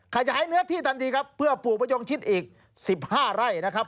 ขยายเนื้อที่ทันทีครับเพื่อปลูกมะยงชิดอีก๑๕ไร่นะครับ